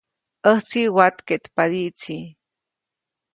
ʼÄjtsi watkeʼtpadiʼtsi.